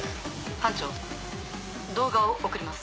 班長動画を送ります。